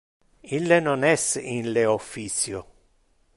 Ille non es in le officio.